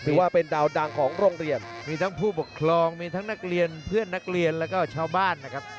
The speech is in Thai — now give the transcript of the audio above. ถือว่าเป็นดาวดังของโรงเรียนมีทั้งผู้ปกครองมีทั้งนักเรียนเพื่อนนักเรียนแล้วก็ชาวบ้านนะครับ